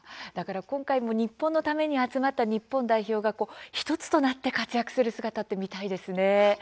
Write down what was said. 今回も日本のために集まった日本代表が１つとなって活躍する姿を見たいですね。